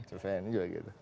si feni juga gitu